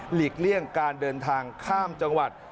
เลี่ยงการเดินทางข้ามจังหวัด